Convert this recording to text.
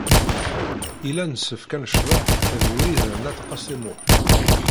Yella yessefk ad necḍeḥ ed Wrida n At Qasi Muḥ.